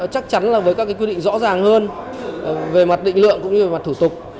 chắc chắn là với các quy định rõ ràng hơn về mặt định lượng cũng như mặt thủ tục